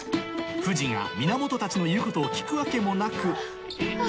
藤が源たちの言うことを聞くわけもなくハァハァ。